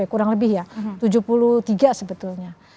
kurang lebih ya tujuh puluh tiga sebetulnya